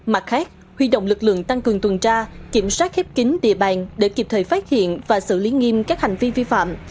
mặt khác huy động lực lượng tăng cường tuần tra kiểm soát khép kính địa bàn để kịp thời phát hiện và xử lý nghiêm các hành vi vi phạm